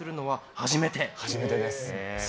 初めてです。